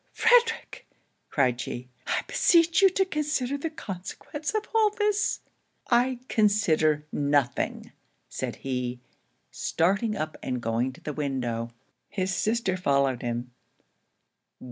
'Oh, Frederic!' cried she, 'I beseech you to consider the consequence of all this.' 'I consider nothing!' said he, starting up and going to the window. His sister followed him.